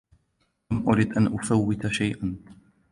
لم أرد أن أفوّت شيئا.